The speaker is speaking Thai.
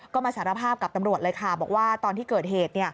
ก็มาสารภาพกับตำรวจเลยค่ะบอกว่าตอนที่เกิดเหตุ